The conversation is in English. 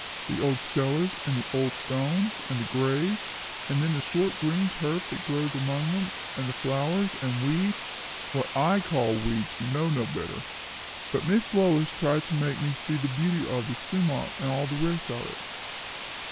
The old cellars and the old stones, and the graves; and then the short green turf that grows among them, and the flowers and weeds what I call weeds, who know no better but Miss Lois tried to make me see the beauty of the sumach and all the rest of it."